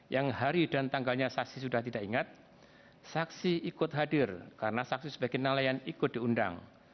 yang hari dan tanggalnya saksi sudah tidak ingat saksi ikut hadir karena saksi sebagai nelayan ikut diundang